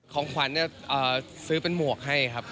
ของขวัญเนี่ยเอ่อซื้อเป็นหมวกให้ครับ